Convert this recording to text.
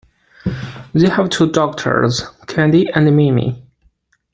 They have two daughters, Candy and Mimi.